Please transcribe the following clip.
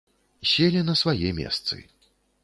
Селі на свае месцы.